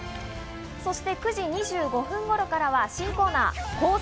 そして９時２５分頃からは新コーナー、考察！